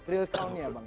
real countnya bang